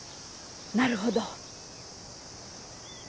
なるほど。